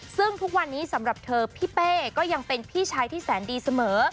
ซึ่งทุกวันนี้สำหรับเธอพี่เป้ก็ยังเป็นพี่ชายที่แสนดีเสมอ